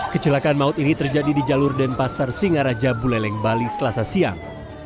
kecelakaan maut ini terjadi di jalur denpasar singaraja buleleng bali selasa siang